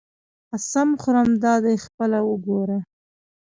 قسم خورم دادی خپله وګوره.